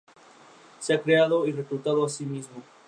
Se ha creado y reclutado a sí mismo.